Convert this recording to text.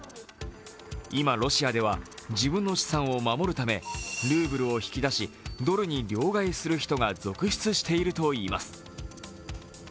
今、ロシアでは自分の資産を守るためルーブルを引き出しドルに両替する人が続出しているといいます。